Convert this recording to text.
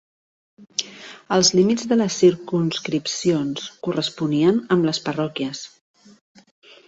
Els límits de les circumscripcions corresponien amb les parròquies.